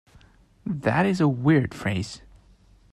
That is a weird phrase.